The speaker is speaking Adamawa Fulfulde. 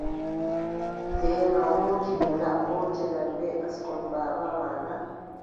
Teema woodi mo laɓɓotiran bee asngol baaba ma na ?